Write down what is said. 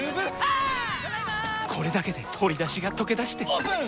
これだけで鶏だしがとけだしてオープン！